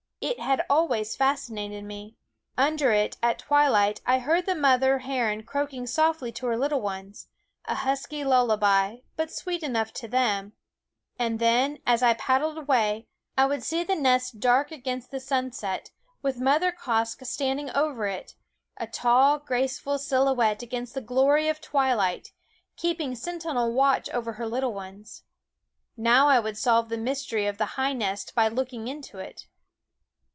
It had always fascinated me. Under it, at twilight, I had heard the mother heron croaking softly to her little ones a husky lullaby, but sweet enough to them and then, as I paddled away, I would see the nest dark against the sunset, with Mother Quoskh standing over it, a tall, graceful silhouette against the glory of twilight, keeping sentinel watch over her little ones. Now I would solve the mystery of the high nest by looking into it.